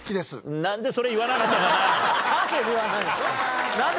なんでそれ言わなかったかな。